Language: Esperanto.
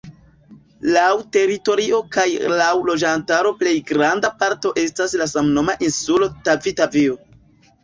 Laŭ teritorio kaj laŭ loĝantaro plej granda parto estas la samnoma insulo Tavi-Tavio.